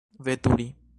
veturi